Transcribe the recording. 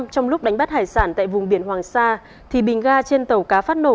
trong lúc đánh bắt hải sản tại vùng biển hoàng sa thì bình ga trên tàu cá phát nổ